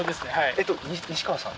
えっと西川さん？